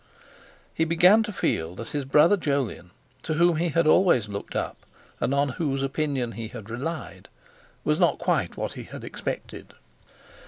He began to feel that his brother Jolyon, to whom he had always looked up and on whose opinion he had relied, was not quite what he had expected.